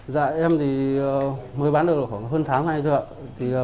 dạ em thì mới bán được khoảng hơn tháng nay thôi ạ